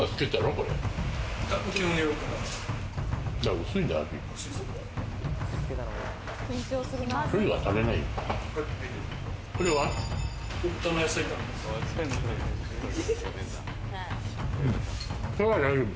これは大丈夫。